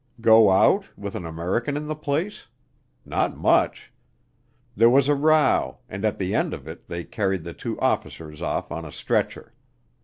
"Go out, with an American in the place? Not much! There was a row, and at the end of it they carried the two officers off on a stretcher.